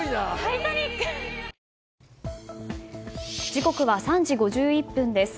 時刻は３時５１分です。